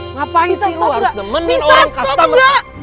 ngapain sih lo harus nemenin orang kasta mesta